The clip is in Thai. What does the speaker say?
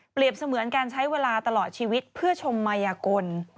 เสมือนการใช้เวลาตลอดชีวิตเพื่อชมมายกล